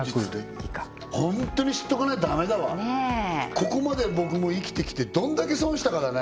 ここまで僕も生きてきてどんだけ損したかだね